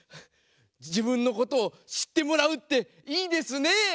じぶんのことをしってもらうっていいですね！